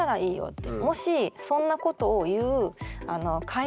って。